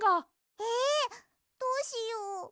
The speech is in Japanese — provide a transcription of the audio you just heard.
えどうしよう。